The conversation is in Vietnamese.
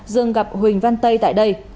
dương gặp huỳnh văn tây tại đây